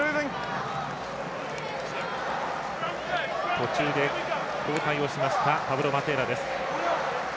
途中で交代をしましたパブロ・マテーラ。